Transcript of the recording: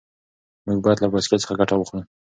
موږ باید له بایسکل څخه ګټه واخلو.